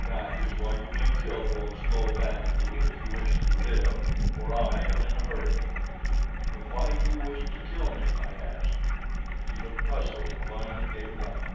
That is why you may kill those low Band lu if you wish to live, for I am in a hurry. "But why do you wish to kill me?" I asked. He looked puzzled and finally gave it up.